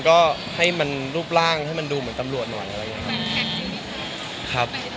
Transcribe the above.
ก็ให้มันรูปร่างให้มันดูเหมือนตำรวจหน่อยอะไรอย่างนี้ครับ